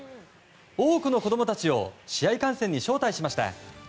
多くの子供たちを試合観戦に招待しました。